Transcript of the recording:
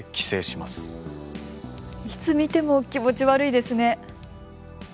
いつ見ても気持ち悪いですね。